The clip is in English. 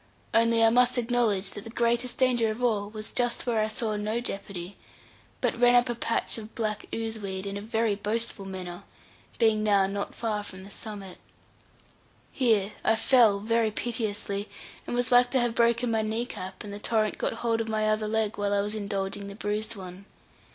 Only I must acknowledge that the greatest danger of all was just where I saw no jeopardy, but ran up a patch of black ooze weed in a very boastful manner, being now not far from the summit. Here I fell very piteously, and was like to have broken my knee cap, and the torrent got hold of my other leg while I was indulging the bruised one.